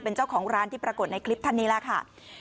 เป็นเจ้าของร้านที่ปรากฏในคลิปท่านนี้แหละค่ะ